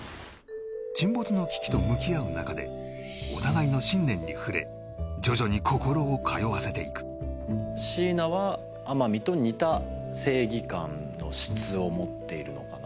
沈没の危機と向き合う中でお互いの信念に触れ徐々に心を通わせていく椎名は天海と似た正義感の質を持っているのかな